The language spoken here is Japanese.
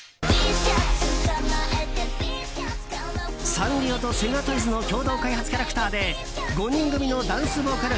サンリオとセガトイズの共同開発キャラクターで５人組のダンスボーカル